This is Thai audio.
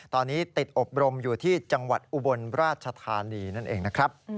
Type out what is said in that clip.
ตอนนี้ติดอบรมอยู่ที่จังหวัดอุบลราชธานีนั่นเองนะครับ